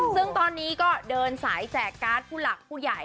ซึ่งตอนนี้ก็เดินสายแจกการ์ดผู้หลักผู้ใหญ่